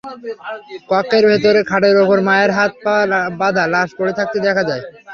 কক্ষের ভেতরে খাটের ওপর মায়ের হাত-পা বাঁধা লাশ পড়ে থাকতে দেখা যায়।